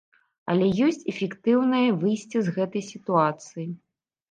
Але ёсць эфектыўнае выйсце з гэтай сітуацыі!